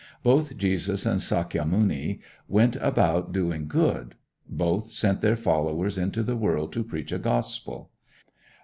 Both Jesus and Sakya muni went about doing good. Both sent their followers into the world to preach a gospel.